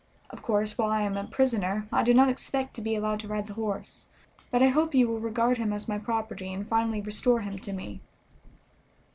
Of course, while I am a prisoner I do not expect to be allowed to ride the horse, but I hope you will regard him as my property, and finally restore him to me."